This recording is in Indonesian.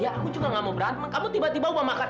ya aku juga gak mau berantem kamu tiba tiba mau makan